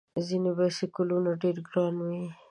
ځینې بایسکلونه ډېر ګران وي.